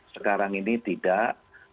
sekarang ini tidak